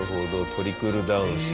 トリクルダウンして。